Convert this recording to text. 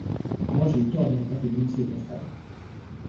Moi j’ai eu tort de ne pas te dénoncer au constable.